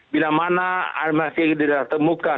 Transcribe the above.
bila mana air masih tidak temukan